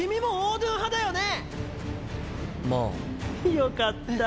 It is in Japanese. よかった。